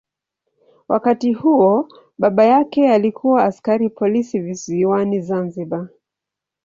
Wakati huo baba yake alikuwa askari polisi visiwani Zanzibar.